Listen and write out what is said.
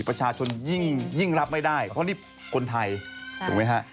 ประชาชนยิ่งรับไม่ได้เพราะนี่คนไทยถูกไหมฮะ